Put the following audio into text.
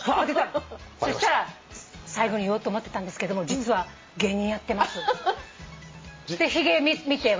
そうしたら「最後に言おうと思ってたんですけど実は芸人やってます」でひげ見て笑